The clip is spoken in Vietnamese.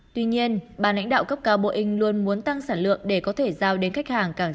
tuy nhiên bà lãnh đạo cấp cao boeing luôn muốn tăng sản lượng để có thể giao đến khách hàng